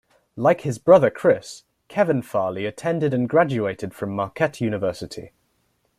Like his brother Chris, Kevin Farley attended and graduated from Marquette University.